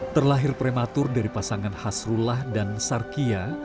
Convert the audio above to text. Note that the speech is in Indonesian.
terlahir prematur dari pasangan hasrullah dan sarkiya